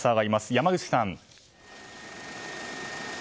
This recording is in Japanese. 山口さん。